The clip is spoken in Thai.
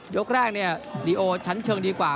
ยกแรกลีโอชั้นเชิงดีกว่า